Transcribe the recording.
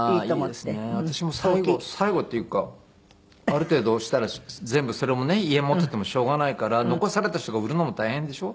私も最後最後っていうかある程度したら全部それもね家持っていてもしょうがないから。残された人が売るのも大変でしょ。